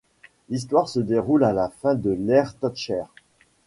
L'histoire se déroule à la fin de l'ère Thatcher.